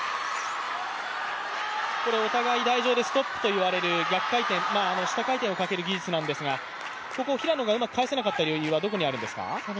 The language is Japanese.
ここでお互い台上でストップと言われる逆回転、下回転をかける技術なんですがここを平野がうまく返せなかった理由はどこにあるんですか？